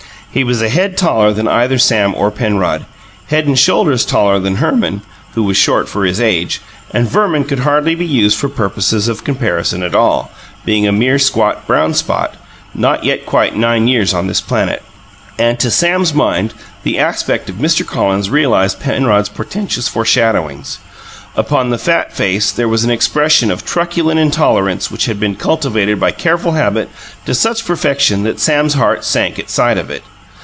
He was a head taller than either Sam or Penrod; head and shoulders taller than Herman, who was short for his age; and Verman could hardly be used for purposes of comparison at all, being a mere squat brown spot, not yet quite nine years on this planet. And to Sam's mind, the aspect of Mr. Collins realized Penrod's portentous foreshadowings. Upon the fat face there was an expression of truculent intolerance which had been cultivated by careful habit to such perfection that Sam's heart sank at sight of it.